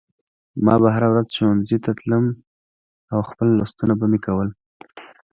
ما به هره ورځ ښوونځي ته تلم او خپل لوستونه به مې کول